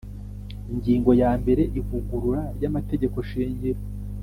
Ingingo ya mbere Ivugurura ry amategeko shingiro